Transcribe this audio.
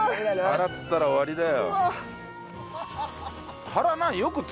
腹つったら終わりだよ。